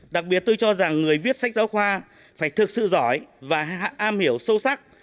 đặc biệt tôi cho rằng người viết sách giáo khoa phải thực sự giỏi và am hiểu sâu sắc